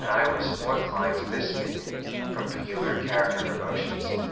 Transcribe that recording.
I was the more inclined to this opinion from the peculiar character of her motions.